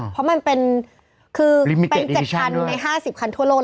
เพราะมันเป็น๗คันใน๕๐คันทั่วโลก